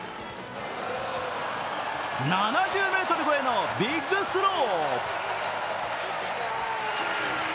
７０ｍ越えのビッグスロー。